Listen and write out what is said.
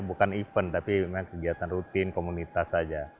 bukan event tapi memang kegiatan rutin komunitas saja